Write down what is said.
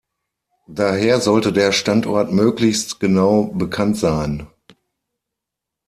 Daher sollte der Standort möglichst genau bekannt sein.